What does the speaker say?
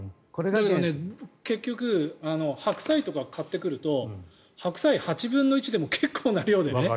結局白菜とかかってくると白菜、８分の１でも結構な量でね。